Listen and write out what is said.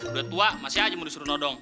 udah tua masih aja mau disuruh nodong